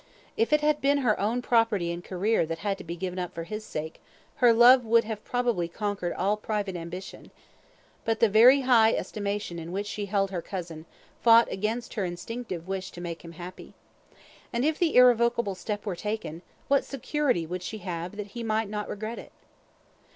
If it had been her own property and career that had to be given up for his sake, her love would have probably conquered all private ambition; but the very high estimation in which she held her cousin, fought against her instinctive wish to make him happy. And if the irrevocable step were taken, what security would she have that he might not regret it?